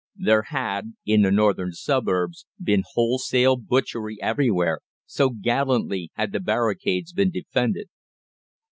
There had, in the northern suburbs, been wholesale butchery everywhere, so gallantly had the barricades been defended.